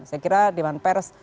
saya kira dewan pers